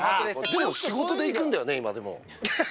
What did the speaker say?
でも、仕事で行くんだよね、今ね。